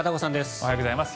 おはようございます。